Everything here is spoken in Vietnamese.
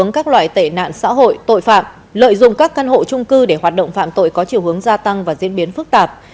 các loại tệ nạn xã hội tội phạm lợi dụng các căn hộ trung cư để hoạt động phạm tội có chiều hướng gia tăng và diễn biến phức tạp